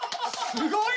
すごい！